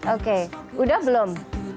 oke udah belum